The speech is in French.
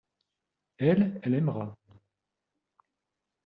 Elle, elle aimera.